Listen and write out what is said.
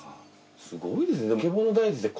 すごいですね。